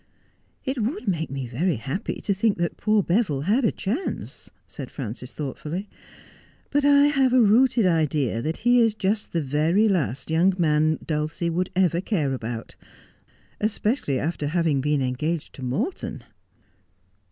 ' It would make me very happy to think that poor Beville had a chance,' said Frances thoughtfully, 'but I have a rooted idea that he is just the very last young man Dulcie would ever care about, especially after having been engaged to Morton.